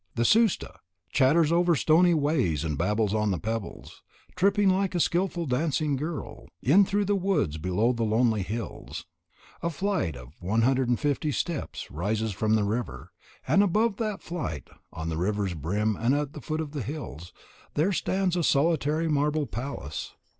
The Susta "chatters over stony ways and babbles on the pebbles," tripping, like a skilful dancing girl, in through the woods below the lonely hills. A flight of 150 steps rises from the river, and above that flight, on the river's brim and at the foot of the hills, there stands a solitary marble palace.